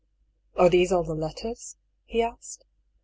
" Are these all the letters ?" he asked.